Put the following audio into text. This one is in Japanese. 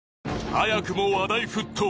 早くも話題沸騰